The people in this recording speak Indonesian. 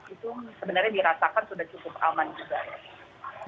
itu sebenarnya dirasakan sudah cukup aman juga ya